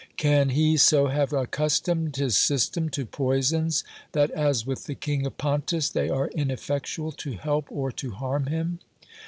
Can he so have accustomed his system to poisons, that, as with the King of Pontus, they are ineffectual to help or to harm him?